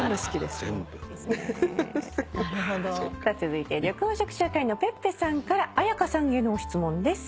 続いて緑黄色社会のｐｅｐｐｅさんから絢香さんへの質問です。